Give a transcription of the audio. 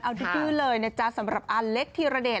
เอาดื้อเลยนะจ๊ะสำหรับอาเล็กธีรเดช